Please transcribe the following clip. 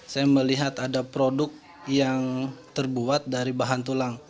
saya melihat ada produk yang terbuat dari bahan tulang